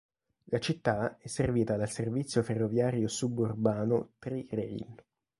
La città è servita dal servizio ferroviario suburbano Tri-Rail.